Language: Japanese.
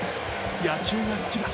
野球が好きだ！！